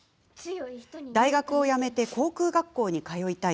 大学を辞めて航空学校に通いたい。